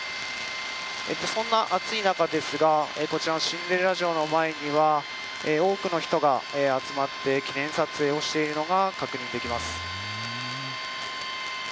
そんな暑い中ですがシンデレラ城の前には多くの人が集まって記念撮影をしているのが確認できます。